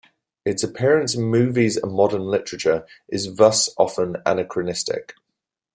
Its appearance in movies and modern literature is thus often anachronistic.